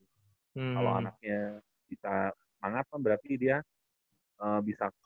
kalau anaknya bisa semangat kan berarti dia bisa konsisten